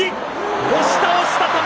押し倒した、玉鷲。